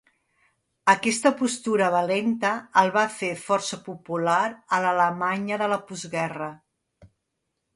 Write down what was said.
Aquesta postura valenta el va fer força popular a l'Alemanya de la postguerra.